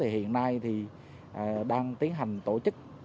hiện nay đang tiến hành tổ chức